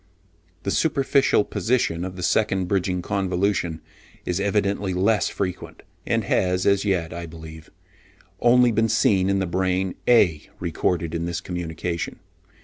The superficial position of the second bridging convolution is evidently less frequent, and has as yet, I believe, only been seen in the brain (A) recorded in this communication.